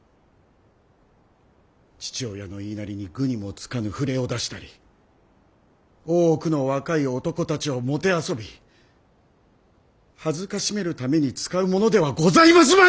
父親の言いなりに愚にもつかぬ触れを出したり大奥の若い男たちを弄び辱めるために使うものではござりますまい！